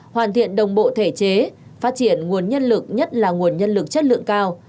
hoàn thiện đồng bộ thể chế phát triển nguồn nhân lực nhất là nguồn nhân lực chất lượng cao